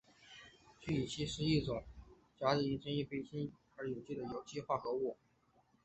氟乙酰胺是一种乙酰胺甲基上的氢原子被氟原子取代而成的有机化合物。